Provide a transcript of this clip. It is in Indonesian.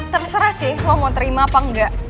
terserah sih kalau mau terima apa enggak